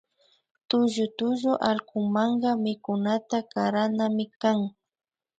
Tullu tullu allkumanka mikunata karanami kan